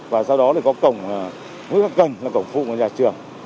và sau đó có cổng mỗi các cành là cổng phụ của nhà trường